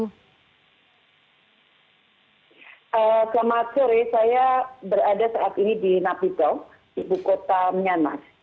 selamat sore saya berada saat ini di napito ibu kota myanmar